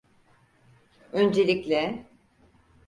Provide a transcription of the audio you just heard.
Öncelikle…